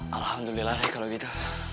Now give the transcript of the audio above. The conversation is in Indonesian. alhamdulillah rey kalau gitu